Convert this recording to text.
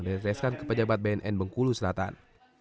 dan retreskan ke pejabat bnn bengkulu selatan